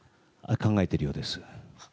考えているようです。